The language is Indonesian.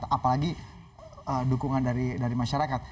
apalagi dukungan dari masyarakat